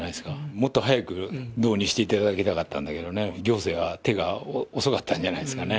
もっと早く導入していただきたかったんだけどね、行政は手が遅かったんじゃないですかね。